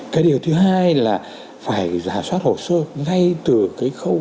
cái điều thứ hai là phải giả soát hồ sơ ngay từ cái khâu